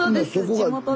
地元で。